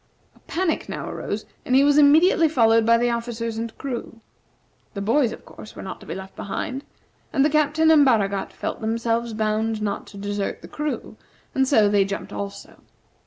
A panic now arose, and he was immediately followed by the officers and crew. The boys, of course, were not to be left behind; and the Captain and Baragat felt themselves bound not to desert the crew, and so they jumped also.